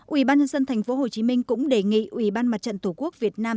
ủy ban nhân dân thành phố hồ chí minh cũng đề nghị ủy ban mặt trận thủ quốc việt nam